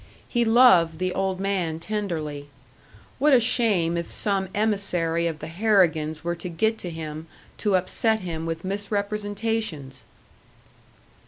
He loved the old man tenderly. What a shame if some emissary of the Harrigans were to get to him to upset him with misrepresentations!